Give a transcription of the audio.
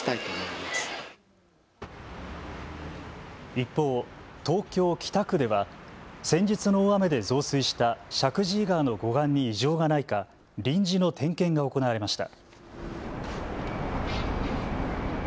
一方、東京北区では先日の大雨で増水した石神井川の護岸に異常がないか臨時の点検が行われました。